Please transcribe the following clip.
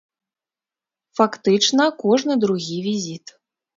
Фактычна, кожны другі візіт.